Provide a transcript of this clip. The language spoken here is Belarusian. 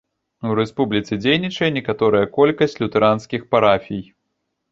У рэспубліцы дзейнічае некаторая колькасць лютэранскіх парафій.